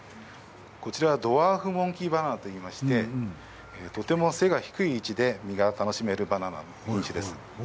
こちらはドワーフモンキーバナナといいましてとても背が低い位置で実が楽しめるバナナです。